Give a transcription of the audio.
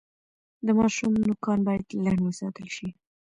د ماشوم نوکان باید لنډ وساتل شي۔